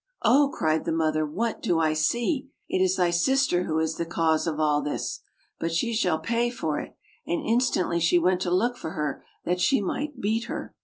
"Oh!" cried the mother, "what do I see? It is thy sister who is the cause of all this! But she shall pay for it/' and instantly she went to look for her that she might beat her.